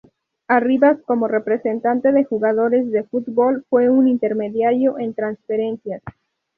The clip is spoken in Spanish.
Arribas, como representante de jugadores de futbol fue un intermediario en transferencias.